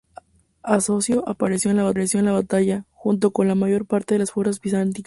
Asocio pereció en la batalla, junto con la mayor parte de las fuerzas bizantinas.